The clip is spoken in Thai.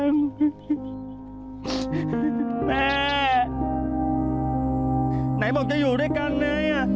แม่ไหนบอกจะอยู่ด้วยกันเลย